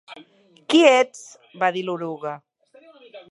"Qui ets?" -va dir l'eruga.